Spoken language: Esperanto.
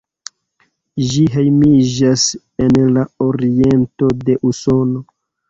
Ĝi hejmiĝas en la oriento de Usono.